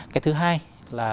cái thứ hai là